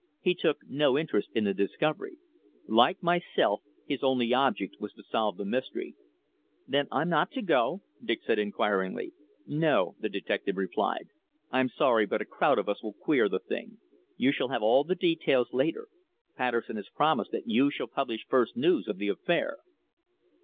He took no interest in the discovery. Like myself, his only object was to solve the mystery. "Then I'm not to go?" Dick said inquiringly. "No," the detective replied. "I'm sorry, but a crowd of us will queer the thing. You shall have all the details later. Patterson has promised that you shall publish first news of the affair."